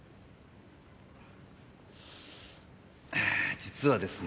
実はですね。